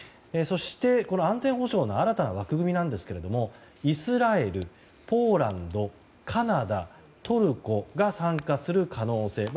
そして、安全保障の新たな枠組みですがイスラエル、ポーランドカナダ、トルコが参加する可能性。